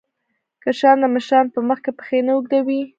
کشران د مشرانو په مخ کې پښې نه اوږدوي.